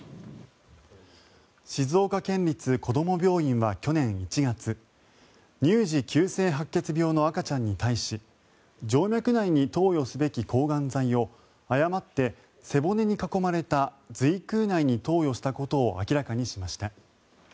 静岡県立こども病院は去年１月乳児急性白血病の赤ちゃんに対し静脈内に投与すべき抗がん剤を誤って背骨に囲まれた髄腔内に投与したことを明らかにしました。